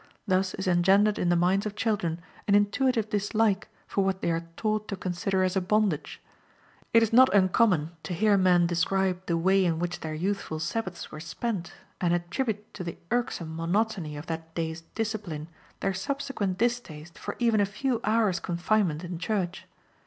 Thus is engendered in the minds of children an intuitive dislike for what they are taught to consider as a bondage. It is not uncommon to hear men describe the way in which their youthful Sabbaths were spent, and attribute to the irksome monotony of that day's discipline their subsequent distaste for even a few hours' confinement in church.